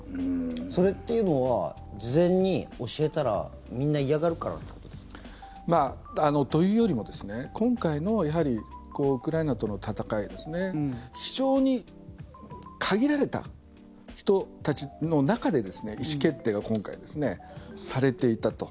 それっていうのは事前に教えたらみんな嫌がるからということですか？というよりも今回のウクライナとの戦い非常に限られた人たちの中で意思決定が今回されていたと。